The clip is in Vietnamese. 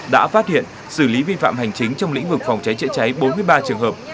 đã phát hiện xử lý vi phạm hành chính trong lĩnh vực phòng cháy chữa cháy bốn mươi ba trường hợp